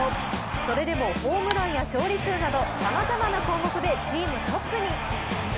それでもホームランや勝利数などさまざまな項目でチームトップに。